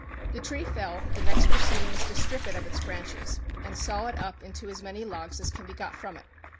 The tree felled, the next proceeding is to strip it of its branches, and saw it up into as many logs as can be got from it.